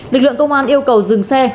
lực lượng công an yêu cầu dừng xe